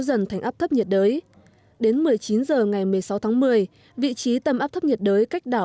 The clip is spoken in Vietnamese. dần thành áp thấp nhiệt đới đến một mươi chín h ngày một mươi sáu tháng một mươi vị trí tâm áp thấp nhiệt đới cách đảo